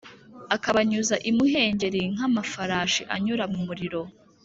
akabanyuza imuhengeri nkamafarashi anyura mumuriro